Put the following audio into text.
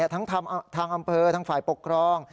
ทั้งทางอำเภอทางฝ่ายปกครอง